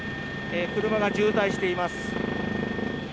車が渋滞しています。